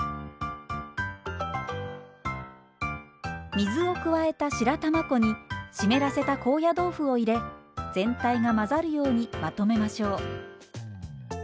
水を加えた白玉粉に湿らせた高野豆腐を入れ全体が混ざるようにまとめましょう。